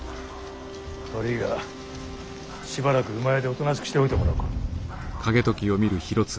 悪いがしばらく馬屋でおとなしくしておいてもらおうか。